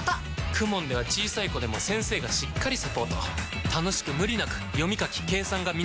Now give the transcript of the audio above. ＫＵＭＯＮ では小さい子でも先生がしっかりサポート楽しく無理なく読み書き計算が身につきます！